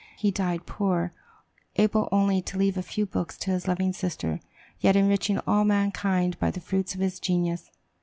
He died poor, able only to leave a few books to his loving sister, yet enriching all mankind by the fruits of his genius.